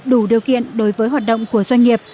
đủ điều kiện đối với hoạt động của doanh nghiệp